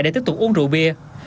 để tiếp tục uống rượu bia